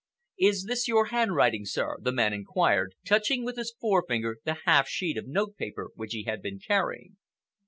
"Is this your handwriting, sir?" the man inquired, touching with his forefinger the half sheet of note paper which he had been carrying.